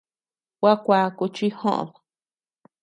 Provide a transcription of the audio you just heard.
Gua kuaku chi joʼód.